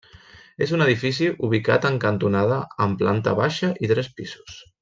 És un edifici ubicat en cantonada amb planta baixa i tres pisos.